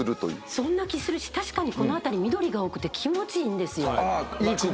そんな気するし確かにこの辺り緑が多くて気持ちいいんですよ。